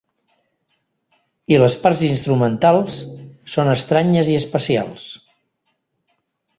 I les parts instrumentals són estranyes i espacials.